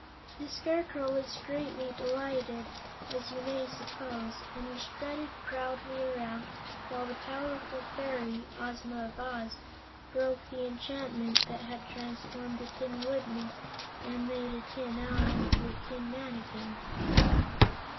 The Scarecrow was greatly delighted, as you may suppose, and he strutted proudly around while the powerful fairy, Ozma of Oz, broke the enchantment that had transformed the Tin Woodman and made a Tin Owl into a Tin Man again.